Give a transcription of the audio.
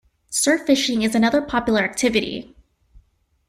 Surf fishing is another popular activity.